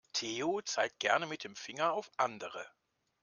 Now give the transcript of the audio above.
Theo zeigt gerne mit dem Finger auf andere.